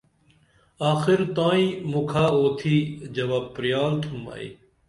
آخر تائیں مُکھہ اُوتھی جواب پرِیال تُھم ائی